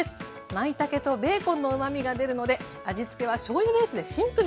まいたけとベーコンのうまみが出るので味付けはしょうゆベースでシンプルに。